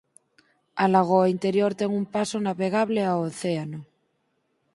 A lagoa interior ten un paso navegable ao océano.